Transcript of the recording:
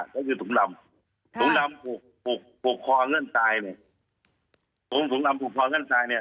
ก็คือถุงลำค่ะถุงลำปลูกปลูกปลูกคอเงื่อนใจเนี่ยถุงถุงลำปลูกคอเงื่อนใจเนี่ย